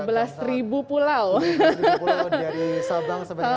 tujuh belas pulau dari sabang sampai merauke dengan berbagai macam karakteristiknya